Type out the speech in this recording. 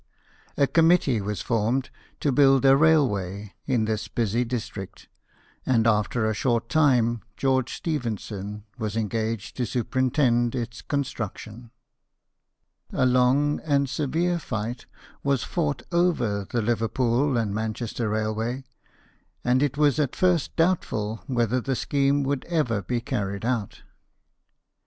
A com mittee was formed to build a railway in this busy district, and after a short time George Stephen son was engaged to superintend its construction. A long and severe fight was fought over the Liverpool and Manchester railway, and it was at first doubtful whether the scheme would ever be carried out.